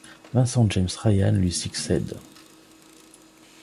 Vincent James Ryan lui succède.